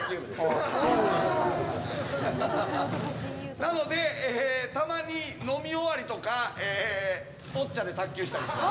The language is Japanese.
なのでたまに飲み終わりとかスポッチャで卓球したりします。